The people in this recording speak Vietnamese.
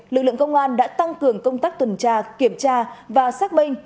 lực lượng công an đã tăng cường công tác tuần tra kiểm tra và xác minh